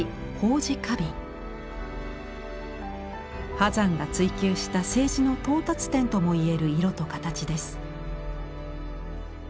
波山が追求した青磁の到達点とも言える色と形です。